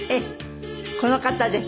この方です。